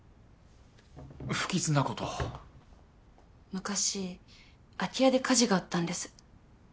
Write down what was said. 昔空き家で火事があったんです。